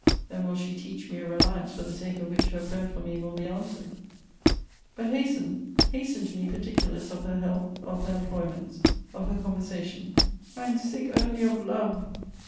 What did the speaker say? then will she teach me a reliance for the sake of which her prayer for me will be answered. But hasten, hasten to me particulars of her health, of her employments, of her conversation. I am sick only of love!